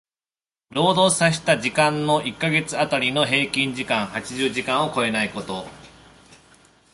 労働させた時間の一箇月当たりの平均時間八十時間を超えないこと。